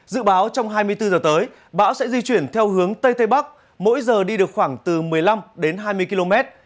dự báo trong hai mươi bốn giờ tới bão sẽ di chuyển theo hướng tây tây bắc mỗi giờ đi được khoảng từ một mươi năm đến hai mươi km